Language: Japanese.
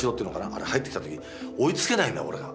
あれ入ってきた時追いつけないんだ俺が。